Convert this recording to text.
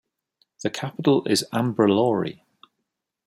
The capital is Ambrolauri.